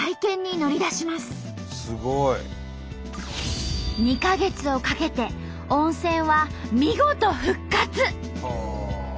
すごい！２か月をかけて温泉は見事復活！